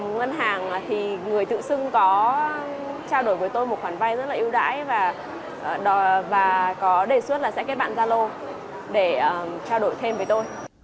ngân hàng thì người tự xưng có trao đổi với tôi một khoản vay rất là ưu đãi và có đề xuất là sẽ kết bạn gia lô để trao đổi thêm với tôi